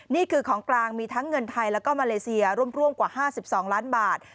นี่คือของกลางมีทั้งเงินไทยแล้วก็มาเลเซียร่วมกว่า๕๒ล้านบาท